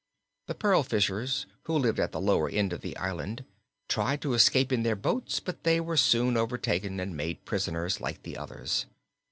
The pearl fishers who lived at the lower end of the island tried to escape in their boats, but they were soon overtaken and made prisoners, like the others.